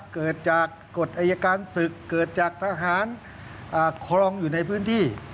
เกิดจากกฎอายการศึกเกิดจากทหารครองอยู่ในพื้นที่